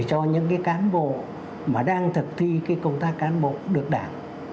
để cho những cán bộ mà đang thực thi công tác cán bộ được đảng